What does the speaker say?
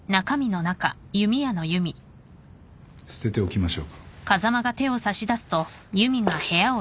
捨てておきましょうか。